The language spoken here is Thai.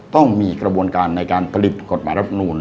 ต้องมีกระบวนการในการตัดติดกฏหมายรัฐมนุษย์